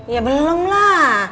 ya belum lah